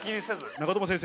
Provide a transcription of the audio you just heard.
長友先生